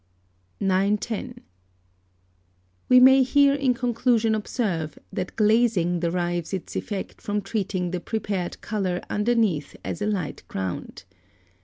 910. We may here in conclusion observe, that glazing derives its effect from treating the prepared colour underneath as a light ground.